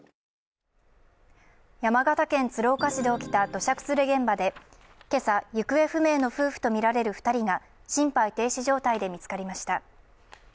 山形県鶴岡市で起きた土砂崩れ現場で今朝、行方不明の夫婦とみられる２人が心肺停止状態で見つかりました。